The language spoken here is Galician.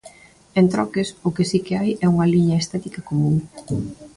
En troques, o que si que hai é unha liña estética común.